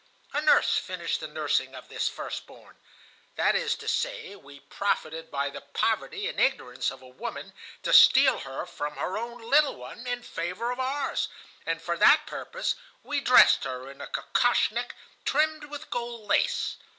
A nurse finished the nursing of this first born,—that is to say, we profited by the poverty and ignorance of a woman to steal her from her own little one in favor of ours, and for that purpose we dressed her in a kakoschnik trimmed with gold lace.